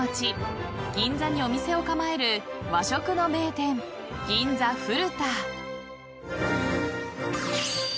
銀座にお店を構える和食の名店銀座ふる田］